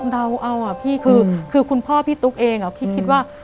เดาเอาอ่ะพี่คือคุณพ่อพี่ตุ๊กเองพี่คิดว่า